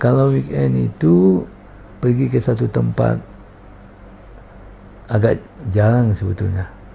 kalau weekend itu pergi ke satu tempat agak jarang sebetulnya